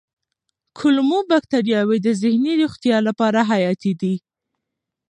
کولمو بکتریاوې د ذهني روغتیا لپاره حیاتي دي.